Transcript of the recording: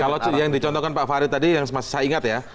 kalau yang dicontohkan pak farid tadi yang saya ingat ya